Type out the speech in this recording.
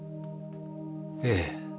ええ。